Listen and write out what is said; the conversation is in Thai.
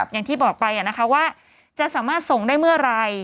อย่างที่บอกไปว่าจะสามารถส่งได้เมื่อไหร่